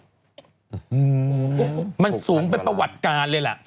อืมมันสูงเป็นประวัติการเลยล่ะ